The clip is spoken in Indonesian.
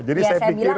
jadi saya pikir